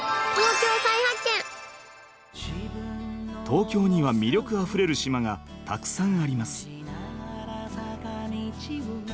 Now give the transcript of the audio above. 東京には魅力あふれる島がたくさんあります。